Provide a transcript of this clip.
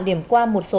điểm qua một số